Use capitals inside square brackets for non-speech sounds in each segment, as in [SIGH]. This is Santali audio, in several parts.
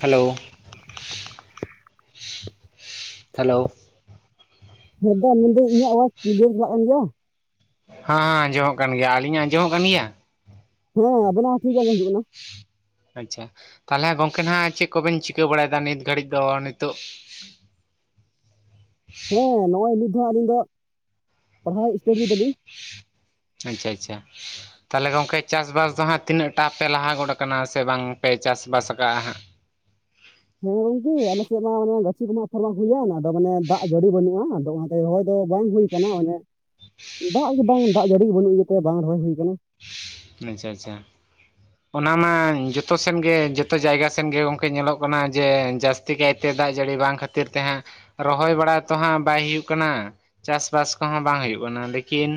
ᱦᱮᱞᱳ! ᱦᱮᱞᱳ! ᱦᱮᱸ ᱫᱟ ᱢᱮᱱᱫᱟᱹᱧ ᱤᱧᱟᱹᱜ ᱟᱣᱟᱡᱽ ᱴᱷᱤᱠ ᱜᱮ ᱦᱮᱞᱟᱜ ᱠᱟᱱ ᱜᱮᱭᱟ? ᱦᱟᱸ ᱟᱸᱡᱚᱢᱚᱜ ᱠᱟᱱ ᱜᱮᱭᱟ᱾ ᱟᱹᱞᱤᱧᱟᱜ ᱟᱸᱡᱚᱢᱚᱜ ᱠᱟᱱ ᱜᱮᱭᱟ? ᱦᱮᱸ ᱟᱵᱮᱱᱟᱜ ᱦᱚᱸ ᱴᱷᱤᱠ ᱜᱮ ᱟᱸᱡᱚᱢ ᱦᱤᱡᱩᱜ ᱠᱟᱱᱟ᱾ ᱟᱪᱪᱷᱟ, ᱛᱟᱦᱚᱞᱮ ᱜᱚᱝᱠᱮ ᱱᱟᱦᱟᱜ ᱪᱮᱜ ᱠᱚᱵᱮᱱ ᱪᱤᱠᱟᱹ ᱵᱟᱲᱟᱭᱮᱫᱟ ᱱᱤᱛ ᱜᱷᱟᱹᱲᱤᱡ ᱫᱚ ᱱᱤᱛᱚᱜ? ᱦᱮᱸ ᱱᱚᱜᱼᱚᱭ ᱱᱤᱛ ᱫᱚ ᱦᱟᱸᱜ ᱟᱹᱞᱤᱧ ᱫᱚ ᱯᱟᱲᱦᱟᱣ ᱤᱥᱴᱟᱹᱰᱤᱭ ᱫᱟᱹᱞᱤᱧ᱾ ᱟᱪᱪᱷᱟ ᱟᱪᱪᱷᱟ᱾ ᱛᱟᱦᱞᱮ ᱜᱚᱝᱠᱮ ᱪᱟᱥᱵᱟᱥ ᱫᱚ ᱦᱟᱸᱜ ᱛᱤᱱᱟᱹᱜ ᱴᱟ ᱯᱮ ᱞᱟᱦᱟ ᱜᱚᱫ ᱟᱠᱟᱱᱟ ᱥᱮ ᱵᱟᱝᱯᱮ ᱪᱟᱥᱵᱟᱥ ᱠᱟᱜᱼᱟ ᱦᱟᱸᱜ? ᱦᱮᱸ ᱜᱚᱝᱠᱮ ᱟᱞᱮᱥᱮᱜ ᱢᱟ ᱚᱱᱮ ᱜᱟᱹᱪᱷᱤ ᱠᱚᱢᱟ ᱟᱯᱷᱚᱨᱢᱟ ᱦᱩᱭᱟᱱ ᱟᱫᱚ ᱢᱟᱱᱮ ᱫᱟᱜ ᱡᱟᱹᱲᱤ ᱵᱟᱹᱱᱩᱜᱼᱟ ᱟᱫᱚ ᱚᱱᱟᱛᱮ ᱨᱚᱦᱚᱭ ᱫᱚ ᱵᱟᱝ ᱦᱩᱭ ᱠᱟᱱᱟ᱾ ᱚᱱᱮ ᱫᱟᱜ ᱜᱮ ᱵᱟᱝ ᱫᱟᱜ ᱡᱟᱹᱲᱤ ᱜᱮ ᱵᱟᱹᱱᱩᱜ ᱤᱭᱟᱹᱛᱮ ᱵᱟᱝ ᱨᱚᱦᱚᱭ ᱦᱩᱭ ᱟᱠᱟᱱᱟ᱾ ᱟᱪᱪᱷᱟ ᱟᱪᱪᱷᱟ᱾ ᱚᱱᱟ ᱢᱟ ᱡᱚᱛᱚ ᱥᱮᱱ ᱜᱮ ᱡᱚᱛᱚ ᱡᱟᱭᱜᱟ ᱥᱮᱱ ᱜᱮ ᱜᱚᱝᱠᱮ ᱧᱮᱞᱚᱜ ᱠᱟᱱᱟ ᱡᱮ ᱡᱟᱹᱥᱛᱤ ᱠᱟᱭᱛᱮ ᱫᱟᱜ ᱡᱟᱹᱲᱤ ᱵᱟᱝ ᱠᱷᱟᱹᱛ ᱛᱤᱨ ᱛᱮ ᱦᱟᱸᱜ ᱨᱚᱦᱚᱭ ᱵᱟᱲᱟ ᱛᱚ ᱦᱟᱸᱜ ᱵᱟᱭ ᱦᱩᱭᱩᱜ ᱠᱟᱱᱟ᱾ ᱪᱟᱥᱵᱟᱥ ᱠᱚᱦᱚᱸ ᱵᱟᱝ ᱦᱩᱭᱩᱜ ᱠᱟᱱᱟ ᱞᱮᱠᱤᱱ,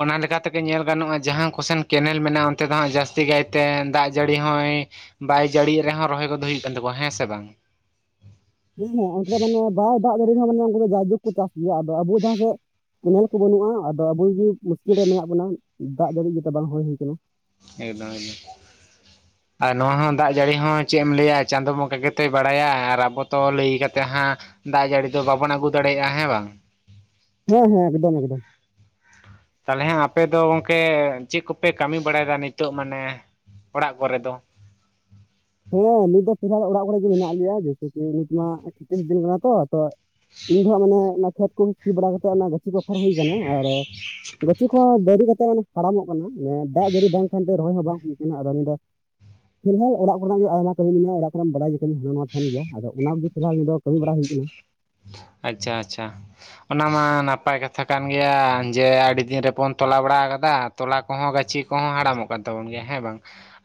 ᱚᱱᱟ ᱞᱮᱠᱟ ᱛᱮᱜᱮ ᱧᱮᱞ ᱜᱟᱱᱚᱜᱼᱟ ᱾ ᱡᱟᱦᱟᱸ ᱠᱚᱥᱮᱱ ᱠᱮᱱᱮᱞ ᱢᱮᱱᱟᱜᱼᱟ ᱚᱱᱛᱮ ᱫᱚ ᱦᱟᱸᱜ ᱡᱟᱹᱥᱛᱤ ᱠᱟᱭᱛᱮ ᱫᱟᱜ ᱡᱟᱹᱲᱤ ᱦᱚᱸᱭ ᱵᱟᱭ ᱡᱟᱹᱲᱤᱭ ᱨᱮᱦᱚᱸ ᱨᱚᱦᱚᱭ ᱠᱚᱫᱚ ᱦᱩᱭᱩᱜ ᱠᱟᱱ ᱛᱟᱠᱚᱣᱟ ᱦᱮᱸ ᱥᱮ ᱵᱟᱝ? ᱦᱮᱸ ᱚᱱᱛᱮ ᱫᱚ ᱢᱟᱱᱮ ᱵᱟᱭ ᱫᱟᱜ ᱡᱟᱹᱲᱤ ᱨᱮᱦᱚᱸ ᱢᱟᱱᱮ ᱩᱱᱠᱩ ᱫᱚ ᱡᱟᱭᱡᱩᱜᱽ ᱠᱚ ᱪᱟᱥ ᱜᱮᱭᱟ ᱟᱫᱚ ᱟᱵᱚ ᱡᱟᱦᱟᱸ ᱥᱮᱜ ᱠᱮᱱᱮᱞ ᱠᱚ ᱵᱟᱹᱱᱩᱜᱼᱟ ᱟᱫᱚ ᱟᱵᱚᱜᱮ ᱢᱩᱥᱠᱤᱞ ᱨᱮ ᱢᱮᱱᱟᱜ ᱵᱚᱱᱟ ᱫᱟᱜ ᱵᱟᱹᱱᱩᱜ ᱤᱭᱟᱹᱛᱮ ᱵᱟᱝ ᱨᱚᱦᱚᱭ ᱦᱩᱭ ᱟᱠᱟᱱᱟ᱾ ᱮᱠᱫᱚᱢ ᱮᱠᱫᱚᱢ᱾ ᱟᱨ ᱱᱚᱣᱟ ᱦᱚᱸ ᱫᱟᱜ ᱡᱟᱹᱲᱤ ᱦᱚᱸ ᱪᱮᱜ ᱮᱢ ᱞᱟᱹᱭᱟ ᱪᱟᱸᱫᱚ ᱵᱚᱸᱜᱟ ᱜᱮᱛᱚᱭ ᱵᱟᱲᱟᱭᱟ ᱟᱨ ᱟᱵᱚ ᱛᱚ ᱞᱟᱹᱭ ᱠᱟᱛᱮᱫ ᱦᱟᱸᱜ ᱫᱟᱜ ᱡᱟᱹᱲᱤ ᱫᱚ ᱵᱟᱵᱚᱱ ᱟᱹᱜᱩ ᱫᱟᱲᱮᱭᱟᱜᱼᱟ ᱦᱮᱸ ᱵᱟᱝ? ᱦᱮᱸ ᱦᱮᱸ ᱮᱠᱫᱚᱢ ᱮᱠᱫᱚᱢ᱾ ᱛᱟᱞᱦᱮᱸ ᱟᱯᱮ ᱫᱚ ᱜᱚᱝᱠᱮ ᱪᱮᱜ ᱠᱚᱯᱮ ᱠᱟᱹᱢᱤ ᱵᱟᱲᱟᱭᱫᱟ ᱱᱤᱛᱚᱜ ᱢᱟᱱᱮ ᱚᱲᱟᱜ ᱠᱚᱨᱮ ᱫᱚ? ᱦᱮᱸ ᱱᱤᱛ ᱫᱚ ᱯᱨᱟᱭ ᱚᱲᱟᱜ ᱠᱚᱨᱮᱜᱮ ᱢᱮᱱᱟᱜ ᱞᱮᱭᱟ ᱡᱮᱭᱥᱮ ᱠᱤ ᱱᱤᱛ ᱢᱟ ᱥᱤᱛᱩᱝ ᱫᱤᱱ ᱠᱟᱱᱟ ᱛᱚ᱾ ᱤᱧ ᱫᱚ ᱦᱟᱸᱜ ᱢᱟᱱᱮ ᱚᱱᱟ ᱠᱷᱮᱛ ᱠᱚᱜᱮ ᱥᱤ ᱵᱟᱲᱟ ᱠᱟ ᱠᱟᱛᱮᱜ ᱚᱱᱟ ᱜᱟᱹ ᱜᱟᱹᱪᱷᱤ ᱠᱚ ᱟᱯᱷᱚᱨ ᱦᱩᱭ ᱟᱠᱟᱱᱟ ᱟᱨ ᱜᱟᱹᱪᱷᱤ ᱠᱚ ᱫᱟᱹᱨᱤ ᱠᱟᱛᱮᱜ ᱚᱱᱮ ᱦᱟᱲᱟᱢᱚᱜ ᱠᱟᱱᱟ ᱱᱮ ᱫᱟᱜ ᱡᱟᱹᱲᱤ ᱵᱟᱝ ᱠᱷᱟᱱᱛᱮ ᱨᱚᱦᱚᱭ ᱦᱚᱸ ᱵᱟᱝ ᱦᱩᱭ ᱟᱠᱟᱱᱟ ᱟᱫᱚ [INAUDIBLE] ᱯᱷᱤᱞᱦᱟᱞ ᱚᱲᱟᱜ [INAUDIBLE] ᱜᱮ ᱟᱭᱢᱟ ᱠᱟᱹᱢᱤ ᱢᱮᱱᱟᱜᱼᱟ ᱚᱲᱟᱜ ᱠᱚᱨᱮᱢ ᱵᱟᱰᱟᱭ ᱜᱮ ᱠᱟᱹᱢᱤ [INAUDIBLE] ᱜᱮᱭᱟ ᱟᱫᱚ ᱚᱱᱟ ᱠᱚᱜᱮ ᱯᱷᱤᱞᱦᱟᱞ ᱫᱚ ᱠᱟᱹᱢᱤ ᱵᱟᱲᱟ ᱦᱩᱭᱩᱜ ᱠᱟᱱᱟ᱾ ᱟᱪᱪᱷᱟ ᱟᱪᱪᱷᱟ᱾ ᱚᱱᱟ ᱢᱟ ᱱᱟᱯᱟᱭ ᱠᱟᱛᱷᱟ ᱠᱟᱱ ᱜᱮᱭᱟ ᱡᱮ ᱟᱹᱰᱤ ᱫᱤᱱ ᱨᱮᱵᱚᱱ ᱛᱚᱞᱟ ᱵᱟᱲᱟ ᱟᱠᱟᱫᱟ᱾ ᱛᱚᱞᱟ ᱠᱚᱦᱚᱸ ᱜᱟᱹᱪᱷᱤ ᱠᱚᱦᱚᱸ ᱦᱟᱲᱟᱢᱚᱜ ᱠᱟᱱ ᱛᱟᱵᱚᱱ ᱜᱮᱭᱟ ᱦᱮᱸ ᱵᱟᱝ?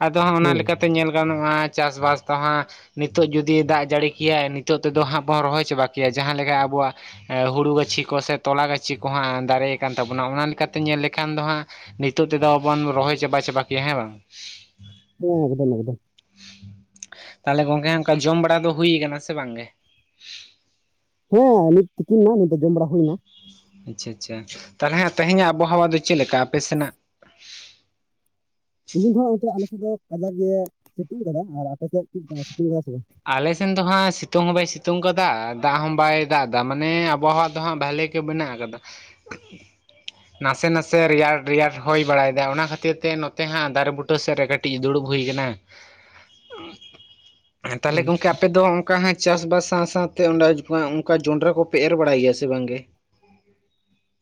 ᱟᱫᱚ ᱦᱟᱸ ᱚᱱᱟ ᱦᱮᱸ ᱞᱮᱠᱟᱛᱼᱼ ᱛᱮ ᱧᱮᱞ ᱜᱟᱱᱚᱜᱼᱟ ᱪᱟᱥᱵᱟᱥ ᱫᱚ ᱦᱟᱸᱜ ᱱᱤᱛᱚᱜ ᱡᱩᱫᱤ ᱫᱟᱜ ᱡᱟᱹᱲᱤ ᱠᱮᱭᱟᱭ ᱱᱤᱛᱚᱜ ᱛᱮᱫᱚ ᱦᱟᱸᱜ ᱵᱚᱱ ᱨᱚᱦᱚᱭ ᱪᱟᱵᱟ ᱠᱮᱭᱟ ᱡᱟᱦᱟᱸ ᱞᱮᱠᱟ ᱟᱵᱚᱣᱟᱜ ᱮ ᱦᱩᱲᱩ ᱜᱟᱹᱪᱷᱤ ᱠᱚ ᱥᱮ ᱛᱚᱞᱟ ᱜᱟᱹᱪᱷᱤ ᱠᱚᱦᱟᱸᱜ ᱫᱟᱨᱮ ᱟᱠᱟᱱ ᱛᱟᱵᱚᱱᱟ ᱚᱱᱟ ᱞᱮᱠᱟᱛᱮ ᱧᱮᱞ ᱞᱮᱠᱷᱟᱱ ᱫᱚ ᱦᱟᱸᱜ ᱱᱤᱛᱚᱜ ᱛᱮᱫᱚ ᱵᱚᱱ ᱨᱚᱦᱚᱭ ᱪᱟᱵᱟ ᱪᱟᱵᱟ ᱠᱮᱭᱟ ᱦᱮᱸ ᱵᱟᱝ? ᱦᱮᱸ ᱮᱠᱫᱚᱢ ᱮᱠᱫᱚᱢ᱾ ᱛᱟᱦᱞᱮ ᱜᱚᱝᱠᱮ ᱚᱱᱠᱟ ᱡᱚᱢ ᱵᱟᱲᱟ ᱫᱚ ᱦᱩᱭᱟᱠᱟᱱᱟ ᱥᱮ ᱵᱟᱝᱜᱮ ᱦᱮᱸ ᱱᱤᱛ ᱛᱤᱠᱤᱱ ᱱᱤᱛ ᱫᱚ ᱡᱚᱢ ᱵᱟᱲᱟ ᱦᱩᱭᱱᱟ, ᱟᱪᱪᱷᱟ ᱟᱪᱪᱷᱟ ᱛᱟᱦᱚᱞᱮ ᱛᱮᱦᱮᱧᱟᱜ ᱟᱵᱚᱦᱟᱣᱟ ᱫᱚ ᱪᱮᱫ ᱞᱮᱠᱟ ᱟᱯᱮ ᱥᱮᱱᱟᱜ? ᱛᱮᱦᱮᱧ ᱫᱚ ᱟᱞᱮᱥᱮᱫ ᱫᱚ ᱚᱱᱛᱮ ᱟᱞᱮᱥᱮᱫ ᱫᱚ ᱠᱟᱡᱟᱠ ᱜᱮ ᱥᱤᱛᱩᱝ ᱟᱠᱟᱫᱟ ᱟᱨ ᱟᱯᱮᱥᱮᱫ ᱪᱮᱫ ᱥᱤᱛᱩᱝ ᱟᱠᱟᱫᱟ ᱥᱮ ᱵᱟᱝ ᱟᱞᱮᱥᱱ ᱫᱚ ᱦᱟᱸᱜ ᱥᱤᱛᱩᱝ ᱦᱚᱸ ᱵᱟᱭ ᱥᱤᱛᱩᱝ ᱠᱟᱫᱟ ᱫᱟᱜ ᱦᱚᱸ ᱵᱟᱭ ᱫᱟᱜ ᱮᱫᱟ ᱢᱟᱱᱮ ᱟᱵᱚᱦᱣᱟ ᱫᱚ ᱦᱟᱸᱜ ᱵᱷᱟᱞᱮ ᱵᱷᱟᱞᱮ ᱜᱮ ᱢᱮᱱᱟᱜᱠᱟᱫᱟ᱾ ᱱᱟᱥᱮ ᱱᱟᱥᱮ ᱨᱮᱭᱟᱲ ᱨᱮᱭᱟᱲ ᱦᱚᱭ ᱵᱟᱲᱟᱭᱮᱫᱟ ᱚᱱᱟ ᱠᱷᱟᱹᱛᱤᱨ ᱛᱮ ᱱᱚᱛᱮ ᱦᱟᱸᱜ ᱫᱟᱨᱮ ᱵᱩᱴᱟᱹ ᱥᱮᱫ ᱨᱮ ᱠᱟᱹᱴᱤᱡ ᱫᱩᱲᱩᱵ ᱦᱩᱭ ᱟᱠᱟᱱᱟ᱾ ᱦᱮᱸ ᱛᱟᱦᱚᱞᱮ ᱜᱚᱝᱠᱮ ᱟᱯᱮ ᱫᱚ ᱚᱱᱠᱟ ᱦᱟᱜ ᱪᱟᱥ ᱵᱟᱥ ᱥᱟᱶ ᱥᱟᱶ ᱥᱟᱶᱛᱮ ᱚᱱᱠᱟ ᱡᱚᱸᱰᱨᱟ ᱠᱚᱯᱮ ᱮᱨ ᱵᱟᱲᱟᱭ ᱜᱮᱭᱟ ᱥᱮ ᱵᱟᱝᱜᱮ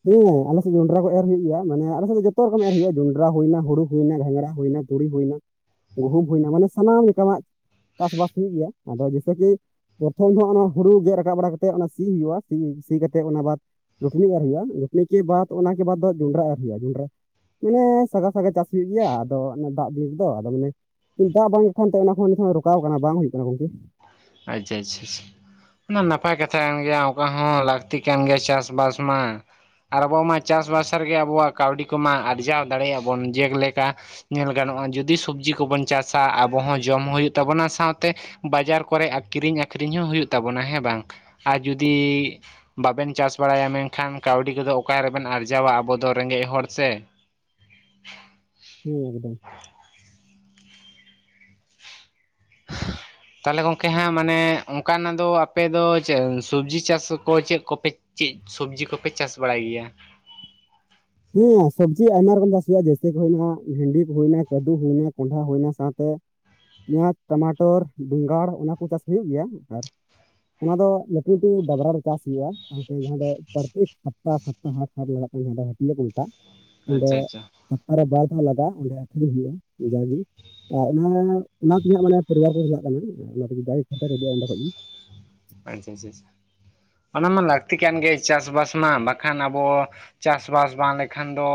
ᱦᱮᱸ ᱟᱞᱮ ᱥᱮᱫ ᱡᱚᱸᱰᱨᱟ ᱠᱚ ᱮᱨ ᱦᱩᱭᱩᱜ ᱜᱮᱭᱟ ᱢᱟᱱ ᱟᱞᱮ ᱥᱮᱫ ᱫᱚ ᱡᱚᱛᱚ ᱨᱚᱠᱚᱢ ᱮᱨ ᱦᱩᱭᱩᱜᱼᱟ ᱡᱚᱸᱰ ᱦᱩᱭᱮᱱᱟᱦᱩᱲᱩ ᱦᱩᱭᱱᱟ ᱜᱷᱟᱸᱝᱲᱟᱦᱩᱭᱱᱟ ᱛᱩᱲᱤ ᱦᱩᱭᱮᱱᱟ ᱜᱩᱦᱩᱢ ᱦᱩᱭᱮᱱᱟ ᱢᱟᱱᱮ ᱥᱟᱱᱟᱢ ᱞᱮᱠᱟᱟᱜ ᱪᱟᱥᱵᱟᱥ ᱦᱩᱭᱩᱜ ᱜᱮᱭᱟ ᱟᱫᱚ ᱡᱮᱭᱥᱮ ᱠᱤ ᱯᱨᱚᱛᱷᱚᱢ ᱫᱚ ᱚᱱᱟ ᱦᱳᱲᱩ ᱜᱮᱫ ᱨᱟᱠᱟᱵ ᱵᱟᱲᱟ ᱠᱟᱛᱮᱫ ᱚᱱᱟ ᱥᱤ ᱦᱩᱭᱩᱜᱼᱟ ᱥᱤ ᱥᱤ ᱠᱟᱛᱮᱫ ᱚᱱᱟ ᱵᱟᱫ ᱨᱩᱴᱱᱤ ᱮᱨ ᱦᱩᱭᱩᱜᱼᱟ᱾ ᱜᱷᱴᱤᱮ ᱵᱟᱫ ᱚᱱᱟ ᱵᱟ ᱡᱷᱩᱱᱰᱨᱟ ᱮᱨ ᱦᱩᱭᱩᱜᱟ ᱡᱷᱩᱱᱰᱨᱟ ᱢᱟᱱᱮ ᱥᱟᱜᱷᱟᱥᱟᱜᱟ ᱪᱟᱥ ᱦᱩᱭᱩᱜ ᱜᱮᱭᱟ ᱟᱫᱚ ᱫᱟᱜ ᱫᱤᱱ ᱨᱮᱫᱚ ᱟᱫᱚ ᱢᱟᱱᱮ ᱫᱟᱜ ᱵᱟᱝ ᱠᱟᱱᱛᱮ ᱚᱱᱟᱦᱚᱸ ᱱᱤᱛᱚᱜ ᱨᱚᱠᱟᱣ ᱠᱟᱱᱟ ᱵᱟᱝ ᱦᱩᱭᱩᱜ ᱠᱟᱱᱟ ᱜᱚᱝᱠᱮ ᱟᱪᱪᱷᱟ ᱟᱪᱪᱷᱟ ᱱᱟᱯᱟᱭ ᱠᱟᱛᱷᱟ ᱠᱟᱱ ᱜᱮᱭᱟ ᱚᱱᱠᱟ ᱦᱚᱸ ᱞᱟᱹᱠᱛᱤ ᱠᱟᱱ ᱜᱮᱭᱟ ᱪᱟᱥᱵᱟᱥ ᱢᱟ ᱟᱨ ᱟᱵᱚ ᱢᱟ ᱪᱟᱥᱵᱟᱥ ᱨᱮᱜᱮ ᱟᱵᱚᱣᱟᱜ ᱠᱟᱹᱣᱰᱤ ᱠᱚᱢᱟ ᱟᱨᱡᱟᱣ ᱫᱟᱲᱮᱭᱟᱜ ᱵᱚᱱ ᱡᱮᱞᱮᱠᱟ ᱧᱮᱞ ᱜᱟᱱᱚᱜᱼᱟ ᱡᱩᱫᱤ ᱥᱚᱵᱡᱤ ᱠᱚᱵᱚᱱ ᱪᱟᱥᱟ ᱟᱵᱚ ᱦᱚᱸ ᱡᱚᱢ ᱦᱩᱭᱩᱜ ᱛᱟᱵᱚᱱᱟ ᱥᱟᱶᱛᱮ ᱵᱟᱡᱟᱨ ᱠᱚᱨᱮ ᱠᱤᱨᱤᱧ ᱟᱹᱠᱷᱨᱤᱧ ᱦᱚᱸ ᱦᱩᱭᱩᱜ ᱛᱟᱵᱚᱱᱟ ᱦᱮᱸ ᱵᱟᱝ ᱟᱨ ᱡᱩᱫᱤ ᱵᱟᱵᱮᱱ ᱪᱟᱥ ᱵᱟᱲᱟᱭᱟ ᱢᱮᱱᱠᱷᱟᱱ ᱠᱟᱹᱣᱰᱤ ᱠᱚᱫᱚ ᱚᱠᱟᱨᱮᱵᱮᱱ ᱟᱨᱡᱟᱣᱟ ᱟᱵᱚ ᱫᱚ ᱨᱮᱸᱜᱮᱡ ᱦᱚᱲ ᱥᱮ ᱦᱮᱸ ᱮᱠᱫᱚᱢ [INAUDIBLE] ᱛᱟᱦᱚᱞᱮ ᱜᱚᱝᱠᱮ ᱦᱟᱸᱜ ᱢᱟᱱᱮ ᱚᱱᱠᱟᱱᱟᱜ ᱫᱚ ᱟᱯᱮ ᱫᱚ ᱥᱚᱵᱽᱡᱤ ᱪᱟᱥ ᱠᱚ ᱪᱮᱫ ᱠᱚᱯᱮ ᱪᱮᱫ ᱥᱚᱵᱡᱤ ᱠᱚᱯᱮ ᱪᱟᱥ ᱵᱟᱲᱟᱭ ᱜᱮᱭᱟ᱾ ᱦᱮᱸ ᱥᱚᱵᱽᱡᱤ ᱟᱭᱢᱟ ᱨᱚᱠᱚᱢ ᱪᱟᱥ ᱦᱩᱭᱩᱜᱼᱟ ᱡᱮᱭᱥᱤ ᱦᱩᱭᱮᱱᱟ ᱵᱷᱮᱱᱰᱤ ᱦᱩᱭᱱᱟ ᱠᱟᱫᱩ ᱦᱩᱭᱱᱟ ᱠᱚᱸᱰᱷᱟ ᱦᱩᱭᱱᱟ ᱥᱟᱶᱛᱮ ᱯᱮᱸᱭᱟᱡ ᱴᱟᱢᱟᱴᱚᱨ ᱵᱮᱸᱜᱟᱲ ᱚᱱᱟ ᱠᱚ ᱪᱟᱥ ᱦᱩᱭᱩᱜ ᱜᱮᱭᱟ ᱟᱨ ᱚᱱᱟ ᱫᱚ ᱞᱟᱹᱴᱩ ᱞᱟᱹᱴᱩ ᱰᱟᱵᱨᱟ ᱨᱮ ᱪᱟᱥᱳᱭᱼᱟ ᱥᱟᱶ ᱡᱟᱦᱟᱸ ᱫᱚ ᱯᱨᱚᱛᱛᱮᱠ ᱥᱚᱯᱛᱟᱯ ᱦᱟᱴ ᱦᱟᱴ ᱞᱟᱜᱟᱜ ᱠᱟᱱᱟ ᱡᱟᱦᱟᱸ ᱫᱚ ᱦᱟᱹᱴᱭᱟᱹ ᱠᱷᱩᱱᱴᱟ ᱚᱸᱰᱮ ᱟᱪᱪᱷᱟ ᱟᱪᱪᱷᱟ ᱥᱚᱯᱛᱟᱦᱚᱨᱮ ᱵᱟᱨ ᱫᱷᱟᱣ ᱞᱟᱜᱟᱜᱼᱟ ᱚᱸᱰᱮ ᱟᱠᱷᱨᱤᱧ ᱦᱩᱭᱩᱜᱼᱟ ᱡᱟᱜᱮ ᱟᱨ ᱚᱱᱟ ᱚᱱᱟ ᱛᱮᱜᱮᱟᱜ ᱢᱟᱱᱮ ᱯᱚᱨᱵᱟᱨ ᱠᱚ ᱪᱟᱞᱟᱜ ᱠᱟᱱᱟ ᱚᱱᱟ ᱛᱮᱜᱮ ᱫᱟᱭ ᱠᱷᱟᱴᱩᱜᱼᱟ ᱚᱸᱰᱮ ᱠᱷᱚᱡ ᱜᱮ ᱟᱪᱪᱷᱟ ᱟᱪᱪᱷᱟ ᱚᱱᱟ ᱢᱟ ᱞᱟᱹᱠᱛᱤ ᱠᱟᱱ ᱜᱮ ᱪᱟᱥᱵᱟᱥ ᱢᱟ ᱵᱟᱠᱷᱟᱱ ᱟᱵᱚ ᱪᱟᱥᱵᱟᱥ ᱵᱟᱝ ᱞᱮᱠᱷᱟᱱ ᱫᱚ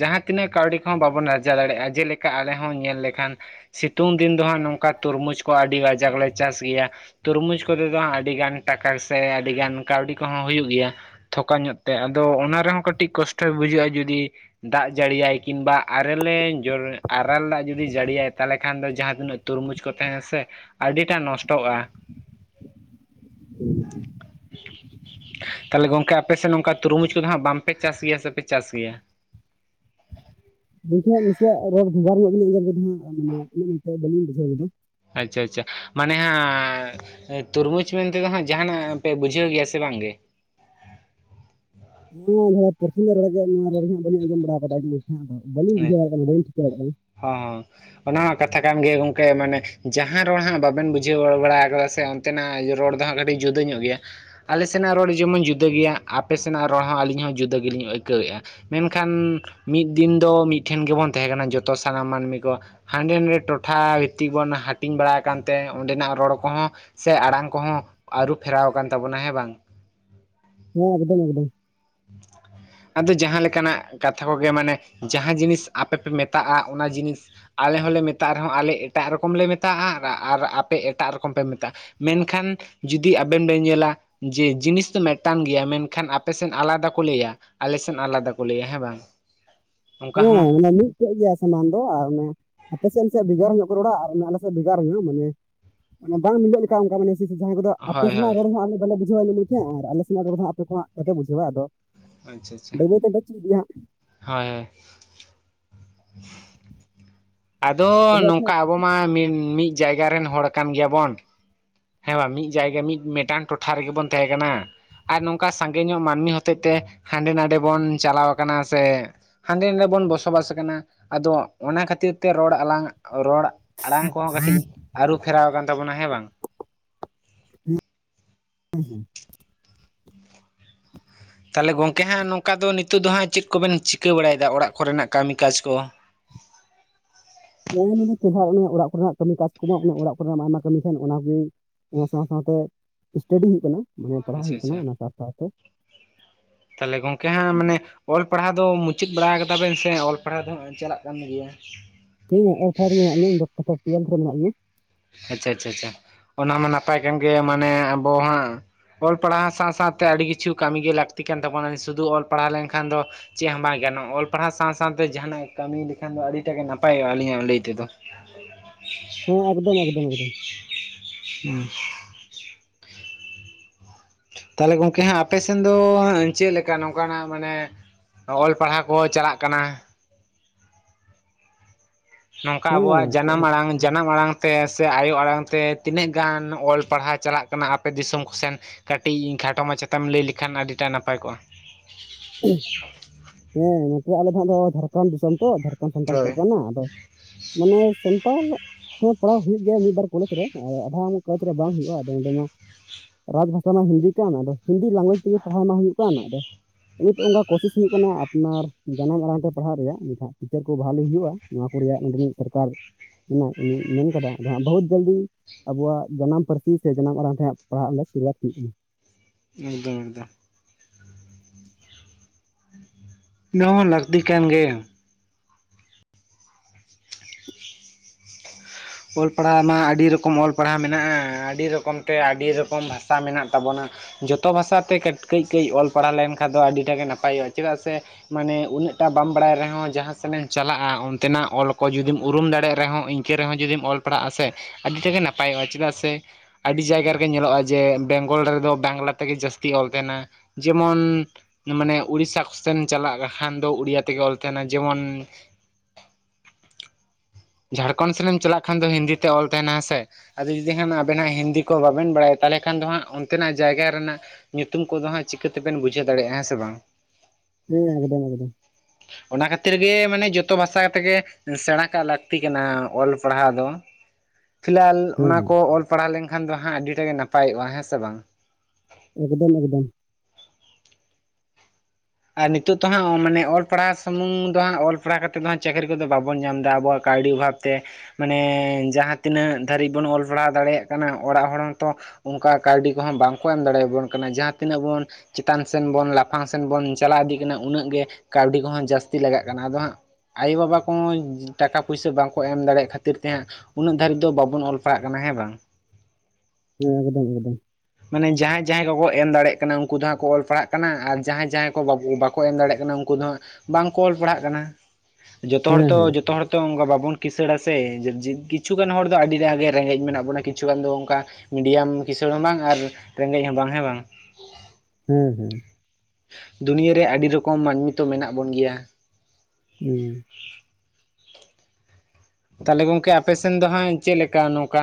ᱡᱟᱦᱟᱸ ᱛᱤᱱᱟᱹᱜ ᱠᱟᱹᱣᱰᱤ ᱠᱚᱦᱚᱸ ᱵᱟᱵᱚᱱ ᱟᱨᱡᱟᱣ ᱫᱟᱲᱮᱭᱟᱜ-ᱟ ᱡᱮᱞᱮᱠᱟ ᱟᱞᱮ ᱦᱚᱸ ᱧᱮᱞ ᱞᱮᱠᱷᱟᱱ ᱥᱤᱛᱩᱝ ᱫᱤᱱ ᱫᱚ ᱦᱟᱸᱜ ᱱᱚᱝᱠᱟ ᱛᱩᱨᱢᱩᱡᱽ ᱠᱚ ᱟᱹᱰᱤ ᱠᱟᱡᱟᱠ ᱞᱮ ᱪᱟᱥ ᱜᱮᱭᱟ ᱾ ᱛᱩᱨᱢᱩᱡᱽ ᱠᱚᱨᱮ ᱫᱚ ᱟᱹᱰᱤᱜᱟᱱ ᱴᱟᱠᱟ ᱥᱮ ᱟᱹᱰᱤᱜᱟᱱ ᱠᱟᱹᱣᱰᱤ ᱠᱚᱦᱚᱸ ᱦᱩᱭᱩᱜ ᱜᱮᱭᱟ ᱾ ᱛᱷᱚᱠᱟ ᱧᱚᱜ ᱛᱮ ᱟᱫᱚ ᱚᱱᱟ ᱨᱮᱦᱚᱸ ᱠᱟᱹᱴᱤᱡ ᱠᱚᱥᱴᱚᱭ ᱵᱩᱡᱟᱹᱜ-ᱟ ᱡᱩᱫᱤ ᱫᱟᱜ ᱡᱟᱹᱲᱤᱭᱟᱭ ᱠᱤᱢᱵᱟ ᱟᱨᱮᱞᱮ ᱟᱨᱮᱞ ᱫᱟᱜ ᱡᱩᱫᱤ ᱡᱟᱹᱲᱤᱭᱟᱭ ᱛᱟᱦᱚᱞᱮ ᱠᱷᱟᱱ ᱫᱚ ᱡᱟᱦᱟᱸ ᱛᱤᱱᱟᱹᱜ ᱛᱩᱨᱢᱩᱡᱽ ᱠᱚ ᱛᱟᱦᱮᱸᱱᱟ ᱥᱮ ᱟᱹᱰᱤᱴᱟᱜ ᱱᱚᱥᱴᱚᱜ-ᱟ ᱾ [INAUDIBLE] [INAUDIBLE] ᱛᱟᱦᱞᱮ ᱜᱚᱝᱠᱮ ᱟᱯᱮ ᱥᱮᱫ ᱱᱚᱝᱠᱟ ᱛᱩᱨᱩᱢᱩᱪ ᱠᱚᱫᱚ ᱦᱟᱸᱜ ᱵᱟᱝᱯᱮ ᱪᱟᱥ ᱜᱮᱭᱟ ᱥᱮ ᱯᱮ ᱪᱟᱥ ᱜᱮᱭᱟ? ᱜᱚᱝᱠᱮ ᱦᱟᱸᱜ ᱱᱟᱥᱮᱭᱟᱜ ᱨᱚᱲ ᱵᱷᱮᱜᱟᱨ ᱧᱚᱜ ᱜᱮᱞᱤᱧ ᱟᱸᱡᱚᱢ ᱠᱮᱫᱟ ᱾ [UNINTELLIGIBLE] ᱵᱟᱹᱞᱤᱧ ᱵᱩᱡᱷᱟᱹᱣ ᱞᱮᱫᱟ ᱾ ᱟᱪᱪᱷᱟ ᱟᱪᱪᱷᱟ ᱢᱟᱱᱮ ᱦᱟᱜ ᱛᱩᱨᱢᱩᱡᱽ ᱢᱮᱱᱛᱮ ᱫᱚ ᱦᱟᱸᱜ ᱡᱟᱦᱟᱱᱟᱜ ᱯᱮ ᱵᱩᱡᱷᱟᱹᱣ ᱜᱮᱭᱟ ᱥᱮ ᱵᱟᱝᱜᱮ? [UNINTELLIGIBLE] ᱨᱚᱲ ᱜᱮ ᱱᱚᱣᱟ ᱨᱚᱲ ᱦᱟᱸᱜ ᱵᱟᱹᱧ ᱟᱸᱡᱚᱢ ᱵᱟᱲᱟ ᱟᱠᱟᱫᱟ ᱟᱹᱰᱤ ᱢᱚᱡᱽ ᱜᱮ ᱦᱟᱜ ᱟᱫᱚ ᱵᱟᱞᱤᱧ ᱵᱩᱡᱷᱟᱹᱣ ᱫᱟᱲᱮᱭᱟᱜ ᱠᱟᱱᱟ, ᱵᱟᱹᱧ ᱵᱩᱡᱽ ᱫᱟᱲᱮᱭᱟᱜ ᱠᱟᱱᱟ ᱾ ᱦᱚ ᱦᱚ ᱾ ᱚᱱᱟ ᱦᱚᱸ ᱠᱟᱛᱷᱟ ᱠᱟᱱ ᱜᱮ ᱜᱚᱝᱠᱮ ᱢᱟᱱᱮ ᱡᱟᱦᱟᱸ ᱨᱚᱲ ᱦᱟᱸᱜ ᱵᱟᱵᱮᱱ ᱵᱩᱡᱷᱟᱹᱣ ᱵᱟᱲᱟ ᱟᱠᱟᱫᱟ ᱥᱮ ᱛᱮᱱᱟᱜ ᱨᱚᱲ ᱫᱚ ᱦᱟᱸᱜ ᱠᱟᱹᱴᱤᱡ ᱡᱩᱫᱟᱹ ᱧᱚᱜ ᱜᱮᱭᱟ ᱾ ᱟᱞᱮ ᱥᱮᱱᱟᱜ ᱨᱚᱲ ᱡᱮᱢᱚᱱ ᱡᱩᱫᱟᱹ ᱜᱮᱭᱟ ᱟᱯᱮ ᱥᱮᱱᱟᱜ ᱨᱚᱲ ᱦᱚᱸ ᱟᱹᱞᱤᱧ ᱦᱚᱸ ᱡᱩᱫᱟᱹ ᱜᱮᱞᱤᱧ ᱟᱹᱭᱠᱟᱹᱣᱮᱜ-ᱟ ᱾ ᱢᱮᱱᱠᱷᱟᱱ ᱢᱤᱫ ᱫᱤᱱ ᱫᱚ ᱢᱤᱫ ᱴᱷᱮᱱ ᱜᱮᱵᱚᱱ ᱛᱟᱦᱮᱸ ᱠᱟᱱᱟ ᱡᱚᱛᱚ ᱥᱟᱱᱟᱢ ᱢᱟᱹᱱᱢᱤ ᱠᱚ ᱾ ᱦᱟᱸᱰᱮ ᱱᱟᱰᱮ ᱴᱚᱴᱷᱟ ᱵᱷᱤᱛᱤᱠ ᱵᱚᱱ ᱦᱟᱹᱴᱤᱧ ᱵᱟᱲᱟ ᱟᱠᱟᱱ ᱛᱮ ᱚᱸᱰᱮᱱᱟᱜ ᱨᱚᱲ ᱠᱚᱦᱚᱸ ᱥᱮ ᱟᱲᱟᱝ ᱠᱚᱦᱚᱸ ᱟᱹᱨᱩ ᱯᱷᱮᱨᱟᱣ ᱟᱠᱟᱱ ᱛᱟᱵᱚᱱᱟ ᱦᱮᱸ ᱵᱟᱝ ᱾ ᱦᱮᱸ ᱮᱠᱫᱚᱢ ᱮᱠᱫᱚᱢ ᱾ [INAUDIBLE] ᱟᱫᱚ ᱡᱟᱦᱟᱸ ᱞᱮᱠᱟᱱᱟᱜ ᱠᱟᱛᱷᱟ ᱠᱚᱜᱮ ᱢᱟᱱᱮ ᱡᱟᱦᱟᱸ ᱡᱤᱱᱤᱥ ᱟᱯᱮ ᱯᱮ ᱢᱮᱛᱟᱜ-ᱟ ᱚᱱᱟ ᱡᱤᱱᱤᱥ ᱟᱞᱮ ᱦᱚᱸᱞᱮ ᱢᱮᱛᱟᱜ ᱨᱮᱦᱚᱸ ᱟᱞᱮ ᱮᱴᱟᱜ ᱨᱚᱠᱚᱢ ᱞᱮ ᱢᱮᱛᱟᱜ-ᱟ ᱟᱨ ᱟᱯᱮ ᱮᱴᱟᱜ ᱨᱚᱠᱚᱢ ᱯᱮ ᱢᱮᱛᱟᱜ-ᱟ ᱾ ᱢᱮᱱᱠᱷᱟᱱ ᱡᱩᱫᱤ ᱟᱵᱮᱱ ᱵᱮᱱ ᱧᱮᱞᱟ ᱡᱮ ᱡᱤᱱᱤᱥ ᱫᱚ ᱢᱤᱫ ᱴᱟᱝ ᱜᱮᱭᱟ ᱢᱮᱱᱠᱷᱟᱱ ᱟᱯᱮ ᱥ ᱮᱱ ᱟᱞᱟᱫᱟ ᱠᱚ ᱞᱟᱹᱭᱟ ᱟᱞᱮ ᱥᱮᱱ ᱟᱞᱟᱫᱟ ᱠᱚ ᱞᱟᱹᱭᱟ ᱦᱮᱸ ᱵᱟᱝ ᱾ ᱦᱮᱸ ᱚᱱᱟ ᱢᱤᱫ ᱤᱠᱟᱹᱜ ᱜᱮᱭᱟ ᱥᱮ ᱚᱱᱟ ᱫᱚ ᱟᱨ ᱚᱱᱮ ᱟᱯᱮ ᱥᱮᱫ ᱵᱷᱮᱜᱟᱨ ᱧᱚᱜ ᱠᱚ ᱨᱚᱲᱟ ᱟᱨ ᱚᱱᱮ ᱟᱞᱮ ᱥᱮᱫ ᱵᱷᱮᱜᱟᱨ ᱧᱚᱜ ᱢᱟᱱᱮ ᱵᱟᱝ ᱢᱤᱞᱟᱹᱜ ᱞᱮᱠᱟ ᱚᱱᱠᱟ ᱢᱟᱱᱮ ᱥᱮ ᱡᱟᱦᱟᱸᱭ ᱠᱚᱫᱚ ᱟᱯᱮ ᱦᱳᱭ ᱥᱮᱱᱟᱜ ᱦᱳᱭ ᱨᱚᱲ ᱦᱚᱸ ᱟᱞᱮ ᱵᱟᱞᱮ ᱵᱩᱡᱷᱟᱹᱣᱟ ᱢᱤ ᱢᱤᱫ ᱴᱟᱹᱝ ᱟᱨ ᱟᱞᱮ ᱥᱮᱱᱟᱜ ᱨᱚᱲ ᱦᱚᱸ ᱟᱯᱮ ᱠᱚᱦᱚᱸ ᱵᱟᱯᱮ ᱵᱩᱡᱷᱟᱹᱣᱟ ᱾ ᱟᱫᱚ ᱟᱪᱪᱷᱟ ᱟᱪᱪᱷᱟ ᱵᱟᱹᱭ ᱵᱟᱹᱭᱛᱮ ᱪᱮᱫ ᱤᱫᱤᱭᱟ ᱦᱟᱸᱜ ᱾ [INAUDIBLE] ᱦᱚᱭ ᱾ [INAUDIBLE] ᱟᱫᱚ ᱛᱚᱵᱮ ᱟᱯᱮ ᱱᱚᱝᱠᱟ ᱟᱵᱚ ᱢᱟ ᱢᱤ ᱢᱤᱫ ᱡᱟᱭᱜᱟ ᱨᱮᱱ ᱦᱚᱲ ᱠᱟᱱ ᱜᱮᱭᱟ ᱵᱚᱱ ᱾ ᱦᱮᱸ ᱵᱟᱝ ᱢᱤᱫ ᱡᱟᱭᱜᱟ ᱢᱤᱫ ᱢᱤᱫ ᱴᱟᱝ ᱴᱚᱴᱷᱟ ᱨᱮᱜᱮ ᱵᱚᱱ ᱛᱟᱦᱮᱸ ᱠᱟᱱᱟ ᱾ ᱟᱨ ᱱᱚᱝᱠᱟ ᱥᱟᱸᱜᱮ ᱧᱚᱜ ᱢᱟᱹᱱᱢᱤ ᱦᱚᱛᱮᱡ ᱛᱮ ᱦᱟᱸᱰᱮ ᱱᱟᱰᱮ ᱵᱚᱱ ᱪᱟᱞᱟᱣ ᱟᱠᱟᱱᱟ ᱥᱮ ᱦᱟᱸᱰᱮ ᱱᱟᱰᱮ ᱵᱚᱱ ᱵᱚᱥᱚᱵᱟᱥ ᱟᱠᱟᱱᱟ ᱾ ᱟᱫᱚ ᱚᱱᱟ ᱠᱷᱟᱹᱛᱤᱨ ᱛᱮ ᱨᱚᱲ ᱟᱞᱟᱝ ᱨᱚᱲ ᱟᱲᱟᱝ ᱠᱚᱦᱚᱸ ᱠᱟᱹᱴᱤᱡ ᱟᱹᱨᱩ ᱯᱷᱮᱨᱟᱣ ᱟᱠᱟᱱ ᱛᱟᱵᱚᱱᱟ ᱦᱮᱸ ᱵᱟᱝ ᱾ ᱦᱮᱸ ᱦᱩᱸ ᱾ ᱛᱟᱦᱚᱞᱮ ᱜᱚᱝᱠᱮ ᱦᱟᱸᱜ ᱱᱚᱝᱠᱟ ᱫᱚ ᱱᱤᱛᱚᱜ ᱫᱚ ᱦᱟᱸᱜ ᱪᱮᱫ ᱠᱚᱵᱤᱱ ᱪᱤᱠᱟᱹ ᱵᱟᱲᱟᱭ ᱮᱫᱟ ᱚᱲᱟᱜ ᱠᱚᱨᱮᱱᱟᱜ ᱠᱟᱹᱢᱤ ᱠᱟᱡᱽ ᱠᱚ? ᱦᱮ [UNINTELLIGIBLE] ᱚᱱᱮ ᱚᱲᱟᱜ ᱠᱚᱨᱮᱱᱟᱜ ᱠᱟᱹᱢᱤ ᱠᱟᱡ ᱠᱚᱢᱟ ᱚᱱᱮ ᱚᱲᱟᱜ ᱠᱚᱨᱮᱱᱟᱜ ᱟᱭᱢᱟ ᱠᱟᱹᱢᱤ ᱛᱟᱦᱮᱸᱱ ᱚᱱᱟ ᱜᱮ ᱚᱱᱟ ᱥᱟᱶ ᱥᱟᱶᱛᱮ ᱥᱴᱟᱰᱤ ᱦᱩᱭᱩᱜ ᱠᱟᱱᱟ ᱾ ᱟᱪᱪᱷᱟ ᱟᱪᱪᱷᱟ ᱾ [INAUDIBLE] ᱛᱟᱦᱞᱮ ᱜᱚᱝᱠᱮ ᱦᱟᱸᱜ ᱢᱟᱱᱮ ᱚᱞ ᱯᱟᱲᱦᱟᱣ ᱫᱚ ᱢᱩᱪᱟᱹᱫ ᱵᱟᱲᱟ ᱟᱠᱟᱫᱟ ᱵᱮᱱ ᱥᱮ ᱚᱞ ᱯᱟᱲᱦᱟᱣ ᱫᱚ ᱪᱟᱞᱟᱜ ᱠᱟᱱ ᱜᱮᱭᱟ ᱾ ᱦᱮᱸ ᱚᱞ ᱯᱟᱲᱦᱟᱣ ᱫᱚ ᱢᱮᱱᱟᱜ ᱞᱤᱧᱟ [UNINTELLIGIBLE] ᱴᱩᱭᱮᱞᱵᱽ ᱨᱮ ᱢᱮᱱᱟᱜ ᱞᱤᱧᱟ ᱾ ᱟᱪᱪᱷᱟ ᱟᱪᱪᱷᱟ ᱟᱪᱪᱷᱟ, ᱚᱱᱟ ᱢᱟ ᱱᱟᱯᱟᱭ ᱠᱟᱱ ᱜᱮ ᱢᱟᱱᱮ ᱟᱵᱚ ᱦᱟᱸᱜ, ᱚᱞ ᱯᱟᱲᱦᱟᱣ ᱥᱟᱶ ᱥᱟᱶᱛᱮ ᱟᱹᱰᱤ ᱠᱤᱪᱷᱩ ᱠᱟᱹᱢᱤ ᱜᱮ ᱞᱟᱹᱠᱛᱤ ᱠᱟᱱ ᱛᱟᱵᱚᱱᱟ ᱥᱩᱫᱷᱩ ᱚᱞ ᱯᱟᱲᱦᱟᱣ ᱞᱮᱱᱠᱷᱟᱱ ᱫᱚ ᱪᱮᱫ ᱦᱚᱸ ᱵᱟᱭ ᱜᱟᱱᱚᱜᱼᱟ ᱚᱞ ᱯᱟᱲᱦᱟᱣ ᱥᱟᱶ ᱥᱟᱶᱛᱮ ᱡᱟᱦᱟᱱᱟᱜ ᱜᱮ ᱠᱟᱹᱢᱤ ᱞᱮᱠᱷᱟᱱ ᱫᱚ ᱟᱹᱰᱤ ᱴᱟᱜ ᱜᱮ ᱱᱟᱯᱟᱭᱚᱜᱼᱟ ᱟᱹᱞᱤᱧᱟᱜ ᱞᱟᱹᱭ ᱛᱮ ᱫᱚ, ᱦᱮᱸ, ᱮᱠᱫᱚᱢ ᱮᱠᱫᱚᱢ ᱮᱠᱫᱚᱢ ᱦᱩᱸ ᱛᱟᱦᱞᱮ ᱜᱚᱢᱠᱮ ᱦᱟᱸᱜ ᱟᱯᱮ ᱥᱮᱱ ᱫᱚ ᱪᱮᱫᱮ ᱞᱮᱠᱟ ᱱᱚᱝᱠᱟᱱᱟᱜ ᱢᱟᱱᱮ? ᱚᱞ ᱯᱟᱲᱦᱟᱣ ᱠᱚ ᱪᱟᱞᱟᱜ ᱠᱟᱱᱟ ᱾ ᱱᱚᱝᱠᱟ ᱦᱮᱸ ᱟᱵᱚᱣᱟᱜ ᱡᱟᱱᱟᱢ ᱟᱲᱟᱝ ᱡᱟᱱᱟᱢ ᱟᱲᱟᱝ, ᱛᱮ ᱥᱮ ᱟᱭᱳ ᱟᱲᱟᱝ ᱛᱮ ᱛᱤᱱᱟᱹᱜ ᱜᱟᱱ ᱚᱞ ᱯᱟᱲᱦᱟᱣ ᱪᱟᱞᱟᱜ ᱠᱟᱱᱟ ᱟᱯᱮ ᱫᱤᱥᱚᱢ ᱠᱚ ᱥᱮᱱ? ᱠᱟᱹᱴᱤᱡ ᱠᱷᱟᱴᱚ ᱢᱟᱪᱷᱟ ᱛᱮᱢ ᱞᱟᱹᱭ ᱞᱮᱠᱷᱟᱱ ᱟᱹᱰᱤ ᱴᱟᱜ ᱱᱟᱯᱟᱭ ᱠᱚᱜᱼᱟ ᱾ ᱦᱮᱸ ᱱᱚᱛᱮ ᱟᱞᱮ ᱫᱚ ᱦᱟᱸᱜ ᱫᱚ ᱡᱷᱟᱲᱠᱷᱚᱸᱰ ᱫᱤᱥᱚᱢ ᱛᱚ ᱡᱷᱟᱲᱠᱷᱚᱸᱰ ᱥᱟᱱᱛᱟᱞ ᱦᱳᱭ ᱯᱟᱨᱜᱟᱱᱟ ᱟᱫᱚ ᱢᱟᱱᱮ ᱥᱟᱱᱛᱟᱞ, ᱦᱮᱸ ᱯᱟᱲᱦᱟᱣ ᱦᱩᱭᱩᱜ ᱜᱮᱭᱟ ᱢᱤᱫ ᱵᱟᱨ ᱠᱚᱞᱮᱡᱽ ᱨᱮ ᱟᱫᱷᱟ ᱟᱱ ᱠᱚᱞᱮᱡᱽ ᱨᱮ ᱵᱟᱝ ᱦᱩᱭᱩᱜᱼᱟ ᱟᱫᱚ ᱚᱸᱰᱮ ᱢᱟ, ᱨᱟᱡᱽ ᱵᱷᱟᱥᱟ ᱢᱟ ᱦᱤᱱᱫᱤ ᱠᱟᱱ ᱟᱫᱚ ᱦᱤᱱᱫᱤ ᱞᱟᱝᱜᱩᱭᱮᱡᱽ ᱛᱮ ᱜᱮ ᱯᱟᱲᱦᱟᱣ ᱢᱟ ᱦᱩᱭᱩᱜ ᱠᱟᱱ, ᱟᱫᱚ ᱱᱤᱛ ᱚᱱᱠᱟ ᱠᱚᱥᱤᱥ ᱦᱩᱭᱩᱜ ᱠᱟᱱᱟ ᱟᱯᱱᱟᱨ ᱡᱟᱱᱟᱢ ᱟᱲᱟᱝ ᱛᱮ ᱯᱟᱲᱦᱟᱜ ᱨᱮᱭᱟᱜ ᱢᱮᱱᱠᱷᱟᱱ ᱴᱤᱪᱟᱹᱨ ᱠᱚ ᱵᱷᱟᱞᱮ ᱦᱩᱭᱩᱜᱼᱟ ᱾ ᱱᱚᱣᱟ ᱠᱚ ᱨᱮᱭᱟᱜ ᱱᱚᱸᱰᱮᱱᱤᱡ ᱥᱚᱨᱠᱟᱨ ᱚᱱᱟ ᱩᱱᱤ ᱢᱮᱱ ᱠᱟᱫᱟ ᱟᱫᱚ ᱦᱟᱸᱜ ᱵᱚᱦᱩᱛ ᱡᱟᱞᱫᱤ, ᱟᱵᱚᱣᱟᱜ ᱡᱟᱱᱟᱢ ᱯᱟᱹᱨᱥᱤ ᱥᱮ ᱡᱟᱱᱟᱢ ᱟᱲᱟᱝ ᱛᱮ ᱯᱟᱲᱦᱟᱜ ᱟᱞᱮ ᱥᱩᱨᱩᱣᱟᱛ ᱛᱮᱦᱮᱫ ᱠᱟᱱᱟ ᱾ ᱮᱠᱫᱚᱢ ᱮᱠᱫᱚᱢ, ᱱᱚᱣᱟ ᱦᱚᱸ ᱞᱟᱹᱠᱛᱤ ᱠᱟᱱ ᱜᱮᱭᱟ ᱾ ᱚᱞ ᱯᱟᱲᱦᱟᱣ ᱢᱟ ᱟᱹᱰᱤ ᱨᱚᱠᱚᱢ ᱚᱞ ᱯᱟᱲᱦᱟᱣ ᱢᱮᱱᱟᱜᱼᱟ ᱟᱹᱰᱤ ᱨᱚᱠᱚᱢ ᱚᱞ ᱯᱟᱲᱦᱟᱣ ᱢᱮᱱᱟᱜ-ᱟ ᱟᱹᱰᱤ ᱨᱚᱠᱚᱢ ᱵᱷᱟᱥᱟ ᱢᱮᱱᱟᱜ ᱛᱟᱵᱚᱱᱟ, ᱡᱚᱛᱚ ᱵᱷᱟᱥᱟ ᱛᱮ ᱠᱟᱹᱡ ᱠᱟᱹᱡ ᱚᱞ ᱯᱟᱲᱦᱟᱣ ᱞᱮᱱᱠᱷᱟᱱ ᱫᱚ ᱟᱹᱰᱤ ᱴᱟᱜ ᱜᱮ ᱱᱟᱯᱟᱭᱚᱜᱼᱟ, ᱪᱮᱫᱟᱜ ᱥᱮ ᱢᱟᱱᱮ ᱩᱱᱟᱹᱜ ᱴᱟᱜ ᱵᱟᱢ ᱵᱟᱲᱟᱭ ᱨᱮ ᱦᱚᱸ ᱡᱟᱦᱟᱸ ᱥᱮᱱ ᱮᱢ ᱪᱟᱞᱟᱜᱼᱟ ᱚᱱᱛᱮᱱᱟᱜ ᱚᱞ ᱠᱚ ᱡᱩᱫᱤᱢ ᱩᱨᱩᱢ ᱫᱟᱲᱮᱭᱟᱜ ᱨᱮᱦᱚᱸ, ᱤᱧ ᱠᱮ ᱨᱮᱦᱚᱸ ᱡᱩᱫᱤᱢ ᱚᱞ ᱯᱟᱲᱦᱟᱜᱼᱟ ᱥᱮ ᱟᱹᱰᱤ ᱴᱟᱜᱮ ᱱᱟᱯᱟᱭᱚᱜᱼᱟ ᱪᱮᱫᱟᱜ ᱥᱮ ᱟᱹᱰᱤ ᱡᱟᱭᱜᱟ ᱨᱮᱜᱮ ᱧᱮᱞᱚᱜᱼᱟ ᱡᱮ ᱵᱮᱝᱜᱚᱞ ᱨᱮ ᱫᱚ ᱵᱟᱝᱞᱟ ᱛᱮ ᱜᱮ ᱡᱟᱹᱥᱛᱤ ᱚᱞ ᱛᱟᱦᱮᱱᱟ᱾ ᱡᱮᱢᱚᱱᱻ, ᱢᱟᱱᱮ ᱩᱲᱤᱥᱥᱟ ᱠᱚ ᱥᱮᱱ ᱪᱟᱞᱟᱜ ᱠᱷᱟᱱ ᱫᱚ ᱩᱲᱤᱭᱟ ᱛᱮ ᱜᱮ ᱚᱞ ᱛᱟᱦᱮᱱᱟ ᱡᱮᱢᱚᱱ, ᱡᱷᱟᱲᱠᱷᱚᱸᱱᱰ ᱥᱮᱱᱮᱢ ᱪᱟᱞᱟᱜ ᱠᱷᱟᱱ ᱫᱚ ᱦᱤᱱᱫᱤ ᱛᱮ ᱚᱞ ᱛᱮᱦᱮᱱᱟ ᱦᱮᱸ ᱥᱮ? ᱟᱫᱚ ᱡᱩᱫᱤ ᱟᱵᱮᱱ ᱦᱟᱸᱜ ᱦᱤᱱᱫᱤ ᱠᱚ ᱵᱟᱵᱮᱱ ᱵᱟᱲᱟᱭᱟ ᱛᱟᱞᱦᱮ ᱠᱷᱟᱱ ᱫᱚ ᱦᱟᱸᱜ ᱚᱱᱛᱮᱱᱟᱜ ᱡᱟᱭᱜᱟ ᱨᱮᱱᱟᱜ ᱧᱩᱛᱩᱢ ᱠᱚ ᱫᱚ ᱦᱟᱸᱜ ᱪᱤᱠᱟᱹ ᱛᱮᱵᱮᱱ ᱵᱩᱡᱷᱟᱹᱣ ᱫᱟᱲᱮᱭᱟᱜᱼᱟ ᱦᱮᱸ ᱥᱮ ᱵᱟᱝ? ᱦᱮᱸ, ᱮᱠᱫᱚᱢ ᱮᱠᱫᱚᱢ, ᱚᱱᱟ ᱠᱷᱟᱹᱛᱤᱨ ᱜᱮ ᱢᱟᱱᱮ ᱡᱚᱛᱚ ᱵᱷᱟᱥᱟ ᱛᱮ ᱜᱮ ᱥᱮᱬᱟ ᱠᱟᱜ ᱞᱟᱠ ᱛᱤ ᱠᱟᱱᱟ ᱚᱞ ᱯᱟᱲᱦᱟᱣ ᱫᱚ ᱯᱷᱤᱞᱟᱞ ᱦᱮᱸ ᱚᱱᱟ ᱦᱮᱸ ᱠᱚ ᱚᱞ ᱯᱟᱲᱦᱟᱣ ᱞᱮᱱᱠᱷᱟᱱ ᱫᱚ ᱦᱟᱸᱜ ᱟᱹᱰᱤᱴᱟᱜ ᱜᱮ ᱱᱟᱯᱟᱭᱚᱜᱼᱟ ᱦᱮᱸ ᱥᱮ ᱵᱟᱝ? ᱮᱠᱫᱚᱢ ᱮᱠᱫᱚᱢ, ᱟᱨ ᱱᱤᱛᱚᱜ ᱛᱚ ᱦᱟᱸᱜ ᱢᱟᱱᱮ ᱚᱞ ᱯᱟᱲᱟᱣ ᱥᱩᱢᱩᱝ ᱫᱚ ᱦᱟᱸᱜ ᱚᱞ ᱯᱟᱲᱦᱟᱣ ᱠᱟᱛᱮ ᱫᱚ ᱦᱟᱜ ᱪᱟᱹᱠᱨᱤ ᱠᱚ ᱫᱚ ᱵᱟᱵᱚᱱ ᱧᱟᱢ ᱮᱫᱟ ᱟᱵᱚᱣᱟᱜ ᱠᱟᱹᱣᱰᱤ ᱚᱵᱷᱟᱵ ᱛᱮ, ᱢᱟᱱᱮ ᱡᱟᱦᱟᱸ ᱛᱤᱱᱟᱹᱜ ᱫᱷᱟᱹᱨᱤᱡ ᱵᱚᱱ ᱚᱞ ᱯᱟᱲᱦᱟᱣ ᱫᱟᱲᱮᱭᱟᱜ ᱠᱟᱱᱟ ᱚᱲᱟᱜ ᱦᱚᱲ ᱦᱚᱸᱛᱚ ᱚᱱᱠᱟ ᱠᱟᱹᱣᱰᱤ ᱠᱚ ᱦᱚᱸ ᱵᱟᱝᱠᱚ ᱮᱢ ᱫᱟᱲᱮᱭᱟᱵᱚᱱ ᱠᱟᱱᱟ ᱡᱟᱦ ᱴᱟᱸ ᱛᱤᱱᱟᱹᱜ ᱵᱚᱱ ᱪᱮᱛᱟᱱ ᱥᱮᱱ ᱵᱚᱱ ᱞᱟᱯᱷᱟᱝ ᱥᱮᱱ ᱵᱚᱱ, ᱪᱟᱞᱟᱣ ᱤᱫᱤᱜ ᱠᱟᱱᱟ ᱩᱱᱟᱹᱜ ᱜᱮ ᱠᱟᱹᱣᱰᱤ ᱠᱚ ᱦᱚᱸ ᱡᱟᱹᱥᱛᱤ ᱞᱟᱜᱟᱜ ᱠᱟᱱᱟ, ᱟᱫᱚ ᱦᱟᱸᱜ ᱟᱭᱳᱼᱵᱟᱵᱟ ᱠᱚᱧ ᱴᱟᱠᱟ ᱯᱩᱭᱥᱟᱹ ᱵᱟᱝᱠᱚ ᱮᱢ ᱫᱟᱲᱮᱭᱟᱜ ᱠᱷᱟᱹᱛᱤᱨ ᱛᱮ ᱦᱟᱸᱜ ᱩᱱᱟᱹᱜ ᱫᱷᱟᱹᱨᱤᱡ ᱫᱚ ᱵᱟᱵᱚᱱ ᱚᱞ ᱯᱟᱲᱦᱟᱜ ᱠᱟᱱᱟ ᱦᱮᱸ ᱵᱟᱝ? ᱦᱮᱸ, ᱮᱠᱫᱚᱢ ᱮᱠᱫᱚᱢ ᱾ ᱢᱟᱱᱮ ᱡᱟᱦᱟᱸᱭ ᱡᱟᱦᱟᱸᱭ ᱠᱚ ᱠᱚ ᱮᱢ ᱫᱟᱲᱮᱜ ᱠᱟᱱᱟ ᱩᱱᱠᱩ ᱫᱚ ᱦᱟᱸᱜ ᱠᱚ ᱚᱞ ᱯᱟᱲᱦᱟᱜ ᱠᱟᱱᱟ ᱟᱨ ᱡᱟᱦᱟᱸᱭ ᱡᱟᱦᱟᱸᱭ ᱠᱚ ᱵᱟᱠᱚ ᱮᱢ ᱫᱟᱲᱮᱜ ᱠᱟᱱᱟ ᱩᱱᱠᱩ ᱫᱚ ᱦᱟᱸᱜ, ᱵᱟᱝᱠᱚ ᱚᱞ ᱯᱟᱲᱦᱟᱜ ᱠᱟᱱᱟ, ᱡᱚᱛᱚ ᱦᱚᱲ ᱦᱮᱸ ᱛᱚ ᱦᱮᱸ ᱡᱚᱛᱚ ᱦᱚᱲ ᱛᱚ ᱚᱝᱠᱟ ᱵᱟᱵᱚᱱ ᱠᱤᱥᱟᱹᱲᱟ ᱥᱮ ᱠᱤᱪᱷᱩᱜᱟᱱ ᱦᱚᱲ ᱫᱚ ᱟᱹᱰᱤ ᱴᱟ ᱜᱮ ᱨᱮᱸᱜᱮᱡ ᱢᱮᱱᱟᱜ ᱵᱚᱱᱟ ᱠᱤᱪᱷᱩ ᱜᱟᱱ ᱫᱚ ᱚᱝᱠᱟ ᱢᱤᱰᱤᱭᱟᱢ ᱠᱤᱥᱟᱹᱬ ᱦᱚᱸ ᱵᱟᱝ ᱟᱨ ᱨᱮᱸᱜᱮᱡ ᱦᱚᱸ ᱵᱟᱝ ᱦᱮᱸ ᱵᱟᱝ? ᱦᱮᱸ ᱦᱮᱸ᱾ ᱫᱩᱱᱭᱟᱹ ᱨᱮ ᱟᱹᱰᱤ ᱨᱚᱠᱚᱢ ᱢᱟᱹᱱᱢᱤ ᱛᱚ ᱢᱮᱱᱟᱜ ᱵᱚᱱ ᱜᱮᱭᱟ᱾ ᱦᱩᱸ᱾ ᱛᱟᱞᱦᱮ ᱜᱚᱝᱠᱮ ᱟᱯᱮ ᱥᱮᱱ ᱫᱚ ᱦᱟᱸᱜ ᱪᱮᱫ ᱞᱮᱠᱟ ᱱᱚᱝᱠᱟ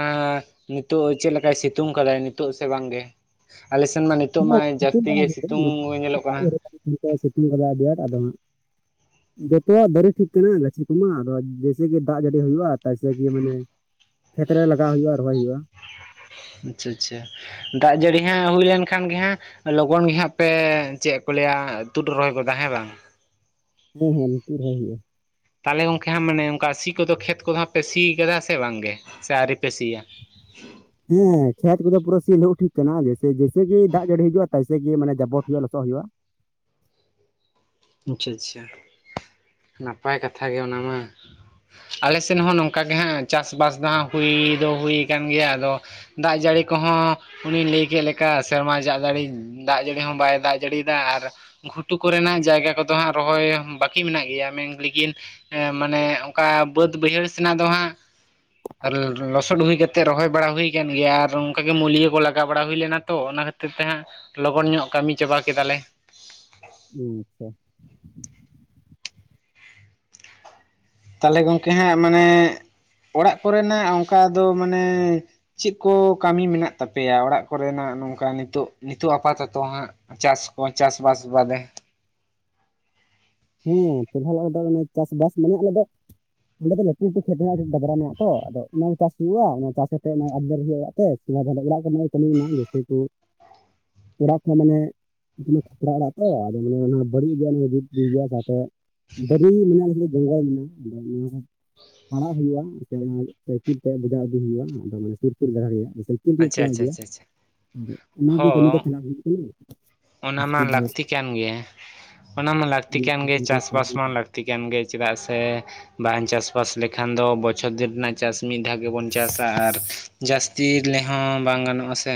ᱱᱤᱛᱚᱜ ᱪᱮᱫ ᱞᱮᱠᱟᱭ ᱥᱤᱛᱩᱝ ᱠᱟᱫᱟᱭ ᱱᱤᱛᱚᱜ ᱥᱮ ᱵᱟᱝᱜᱮ ᱟᱞᱮ ᱥᱮᱱ ᱢᱟ ᱱᱤᱛ ᱛᱚᱜ ᱢᱟ ᱦᱮᱸ ᱡᱟᱹᱥᱛᱤ ᱜᱮ ᱥᱤᱛᱩᱝ ᱧᱮᱞᱚᱜ ᱠᱟᱱᱟ᱾ ᱱᱤᱛᱚᱜ-ᱮ ᱥᱤᱛᱩᱝ ᱠᱟᱫᱟ ᱦᱟᱜ ᱟᱹᱰᱤ ᱟᱴ᱾ [INAUDIBLE] ᱡᱚᱛᱚᱣᱟᱜ ᱫᱟᱨᱤ ᱴᱷᱤᱠ ᱠᱟᱱᱟ ᱜᱟᱹᱪᱷᱤ ᱠᱚᱢᱟ ᱟᱫᱚ ᱡᱮᱭᱥᱮ ᱜᱮ ᱫᱟᱜ ᱡᱟᱹᱲᱤ ᱦᱩᱭᱩᱜᱼᱟ ᱛᱟᱭᱥᱮ ᱜᱤ ᱢᱟᱱᱮ ᱠᱷᱮᱛ ᱨᱮ ᱞᱟᱜᱟᱣ ᱦᱩᱭᱩᱜᱼᱟ ᱨᱚᱦᱚᱭ ᱦᱩᱭᱩᱜᱼᱟ᱾ ᱟᱪᱪᱷᱟ ᱟᱪᱪᱷᱟ, ᱫᱟᱜ ᱡᱟᱹᱲᱤ ᱦᱟᱜ ᱦᱩᱭ ᱞᱮᱱᱠᱷᱟᱱ ᱜᱮ ᱦᱟᱜ ᱞᱚᱜᱚᱱ ᱜᱮ ᱦᱟᱜ ᱯᱮ ᱪᱮᱫ ᱠᱚ ᱞᱟᱹᱭᱟ ᱛᱩᱫ ᱨᱚᱦᱚᱭ ᱜᱚᱫᱟ ᱦᱮᱸ ᱵᱟᱝ? ᱦᱮᱸ ᱦᱮᱸ ᱛᱩᱜ ᱨᱚᱦᱚᱭ ᱦᱩᱭᱩᱜᱼᱟ᱾ ᱛᱟᱞᱦᱮ ᱜᱚᱢᱠᱮ ᱦᱟᱸᱜ ᱢᱟᱱᱮ ᱚᱱᱠᱟ ᱥᱤ ᱠᱚᱫᱚ ᱠᱷᱮᱛ ᱠᱚᱫᱚ ᱦᱟᱜ ᱯᱮ ᱥᱤᱭ ᱠᱟᱫᱟ ᱥᱮ ᱵᱟᱝ ᱜᱮ ᱥᱮ ᱟᱹᱣᱨᱤ ᱯᱮ ᱥᱤᱭᱟ? ᱦᱮᱸ ᱠᱷᱮᱛ ᱠᱚᱫᱚ ᱯᱩᱨᱟᱹ ᱥᱤ ᱞᱟᱦᱩᱜ ᱴᱷᱤᱠ ᱠᱟᱱᱟ᱾ ᱡᱮᱭᱥᱮ ᱜᱮ ᱫᱟᱜ ᱡᱟᱹᱲᱤ ᱦᱤᱡᱼᱟ ᱛᱟᱭᱥᱮ ᱜᱤ ᱢᱟᱱᱮ ᱡᱟᱵᱚᱴ ᱦᱩᱭᱩᱜᱼᱟ ᱞᱚᱥᱚᱜ ᱦᱩᱭᱩᱜᱼᱟ᱾ ᱟᱪᱪᱷᱟ ᱟᱪᱪᱷᱟ ᱱᱟᱯᱟᱭ ᱠᱟᱛᱷᱟ ᱜᱮ ᱚᱱᱟᱢᱟ᱾ ᱟᱞᱮ ᱥᱮᱱ ᱦᱚᱸ ᱱᱚᱝᱠᱟ ᱜᱮ ᱦᱟᱸᱜ ᱪᱟᱥᱵᱟᱥ ᱫᱚ ᱦᱟᱸᱜ ᱦᱩᱭ ᱫᱚ ᱦᱩᱭ ᱟᱠᱟᱱ ᱜᱮᱭᱟ ᱟᱫᱚ ᱫᱟᱜ ᱡᱟᱹᱲᱤ ᱠᱚᱦᱚᱸ ᱩᱱᱤᱭ ᱞᱟᱹᱭ ᱠᱮᱫ ᱞᱮᱠᱟ ᱥᱮᱨᱢᱟ ᱡᱟᱜ ᱡᱟᱹᱲᱤ ᱫᱟᱜ ᱡᱟᱹᱲᱤ ᱦᱚᱸ ᱵᱟᱭ ᱫᱟᱜ ᱡᱟᱹᱲᱤᱭ ᱫᱟ ᱟᱨ ᱜᱷᱩᱴᱩ ᱠᱚᱨᱮᱱᱟᱜ ᱡᱟᱭᱜᱟ ᱠᱚᱫᱚ ᱦᱟᱸᱜ ᱨᱚᱦᱚᱭ ᱵᱟᱠᱤ ᱢᱮᱱᱟᱜ ᱜᱮᱭᱟ ᱢᱮᱱ ᱞᱮᱠᱤᱱ ᱮ ᱢᱟᱱᱮ ᱚᱱᱠᱟ ᱵᱟᱹᱫ ᱵᱟᱹᱭᱦᱟᱹᱲ ᱥᱮᱱᱟᱜ ᱫᱚ ᱦᱟᱸᱜ ᱞᱚᱥᱚᱫ ᱦᱩᱭ ᱠᱟᱛᱮᱜ ᱨᱚᱦᱚᱭ ᱵᱟᱲᱟ ᱦᱩᱭ ᱟᱠᱟᱱ ᱜᱮᱭᱟ ᱟᱨ ᱚᱱᱠᱟ ᱜᱮ ᱢᱩᱞᱭᱟᱹ ᱠᱚ ᱞᱟᱜᱟᱣ ᱵᱟᱲᱟ ᱦᱩᱭ ᱞᱮᱱᱟ ᱛᱚ ᱚᱱᱟ ᱠᱷᱟ ᱛᱤᱨ ᱛᱮᱦᱟᱸᱜ ᱞᱚᱜᱚᱱ ᱧᱚᱜ ᱠᱟᱹᱢᱤ ᱪᱟᱵᱟ ᱠᱮᱫᱟᱞᱮ᱾ [UNINTELLIGIBLE] [INAUDIBLE] ᱛᱟᱞᱦᱮ ᱜᱚᱝᱠᱮ ᱦᱟᱸᱜ ᱢᱟᱱᱮ ᱚᱲᱟᱜ ᱠᱚᱨᱮᱱᱟᱜ ᱚᱱᱠᱟ ᱫᱚ ᱢᱟᱱᱮ ᱪᱮᱫ ᱠᱚ ᱠᱟᱹᱢᱤ ᱢᱮᱱᱟᱜ ᱛᱟᱯᱮᱭᱟ ᱚᱲᱟᱜ ᱠᱚᱨᱮᱱᱟᱜ ᱱᱚᱝᱠᱟ ᱱᱤᱛᱚᱜ ᱱᱤᱛᱚᱜ ᱟᱯᱟᱛᱚᱛᱚ ᱦᱟᱸᱜ? ᱪᱟᱥ ᱠᱚ ᱪᱟᱥ ᱵᱟᱥ ᱵᱟᱫᱮ ᱦᱚᱸ ᱪᱟᱥᱵᱟᱥ ᱢᱟᱱᱮ ᱟᱞᱮ ᱫᱚ ᱚᱸᱰᱮ ᱫᱚ ᱞᱟᱹᱴᱩ ᱞᱟᱹᱴᱩ ᱠᱷᱮᱛ ᱨᱮᱱᱟᱜ ᱰᱟᱵᱽᱨᱟ ᱢᱮᱱᱟᱜ ᱛᱚ ᱟᱫᱚ ᱚᱱᱟ ᱜᱮ ᱪᱟᱥ ᱦᱩᱭᱩᱜᱼᱟ ᱚᱱᱟ ᱪᱟᱥ ᱠᱟᱛᱮ ᱚᱱᱟ ᱟᱱᱫᱟᱨ ᱦᱩᱭᱩᱜᱼᱟ ᱚᱲᱟᱜ ᱛᱮ᱾ [UNINTELLIGIBLE] ᱚᱲᱟᱜ ᱠᱚ ᱨᱮᱱᱟᱜ ᱜᱮ ᱠᱟᱹᱢᱤ ᱢᱮᱱᱟᱜᱼᱟ ᱡᱟᱹᱥᱛᱤ ᱛᱮ [INAUDIBLE] ᱛᱲᱟ ᱠᱷᱚᱱ ᱢᱟᱱᱮ ᱠᱷᱟᱯᱨᱟ ᱚᱲᱟᱜ ᱛᱚ ᱟᱫᱚ ᱢᱟᱱᱮ ᱚᱱᱟ ᱵᱟᱹᱲᱤᱡ ᱜᱮ ᱜᱮᱭᱟ ᱥᱟᱶᱛᱮ ᱫᱟᱨᱮ ᱢᱮᱱᱟᱜᱼᱟ ᱡᱚᱝᱜᱚᱞ ᱢᱮᱱᱟᱜᱼᱟ ᱟᱫᱚ ᱱᱚᱣᱟ ᱠᱚ ᱯᱟᱲᱟᱜ ᱦᱩᱭᱩᱜᱼᱟ ᱥᱟᱭᱠᱮᱞ ᱛᱮ ᱵᱚᱡᱟ ᱟᱜᱩ ᱦᱩᱭᱩᱜᱼᱟ ᱟᱫᱚ ᱢᱟᱱᱮ ᱥᱩᱨ ᱥᱩᱨ ᱡᱟᱭᱜᱟ ᱨᱮᱭᱟᱜ ᱟᱪᱪᱷᱟ ᱪᱟᱞᱟᱣ ᱟᱪᱪᱷᱟ ᱜᱮᱭᱟ, ᱟᱪᱪᱷᱟ ᱟᱫᱚ ᱚᱱᱟᱜᱮ ᱠᱟᱹᱢᱤ ᱦᱚᱸ ᱠᱟᱛᱮ ᱱᱟᱜ ᱦᱩᱭᱩᱜ ᱠᱟᱱᱟ ᱚᱱᱟ ᱩᱥᱠᱮ ᱢᱟ ᱵᱟᱫᱽ ᱞᱟᱹᱠᱛᱤ ᱠᱟᱱ ᱜᱮᱭᱟ ᱚᱱᱟ ᱢᱟ ᱞᱟᱹᱠᱛᱤ ᱠᱟᱱ ᱜᱮ ᱠᱚ ᱪᱟᱥ ᱵᱟᱥ ᱯᱟᱲᱦᱟᱣ ᱢᱟ ᱞᱟᱹᱠᱛᱤ ᱠᱟᱱ ᱜᱮ ᱪᱮᱫᱟᱜ ᱥᱮ ᱵᱟᱝ ᱪᱟᱥᱵᱟᱥ ᱞᱮᱠᱷᱟᱱ ᱫᱚ ᱵᱚᱪᱷᱚᱨ ᱫᱤᱱ ᱨᱮᱱᱟᱜ ᱪᱟᱥ ᱢᱤᱫ ᱫᱷᱟᱣ ᱜᱮᱵᱚᱱ ᱪᱟᱥᱟ ᱟᱨ ᱡᱟᱹᱥᱛᱤ ᱨᱮᱦᱚᱸ ᱵᱟᱝ ᱜᱟᱱᱚᱜᱼᱟ ᱥᱮ᱾